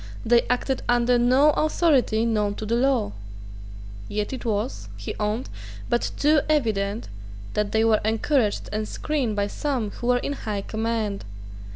They acted under no authority known to the law. Yet it was, he owned, but too evident that they were encouraged and screened by some who were in high command.